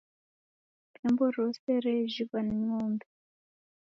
Ndembo rose rejhighwa ni ng'ombe.